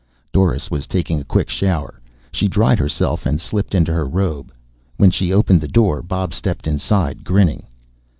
Doris was taking a quick shower. She dried herself and slipped into her robe. When she opened the door Bob stepped inside, grinning.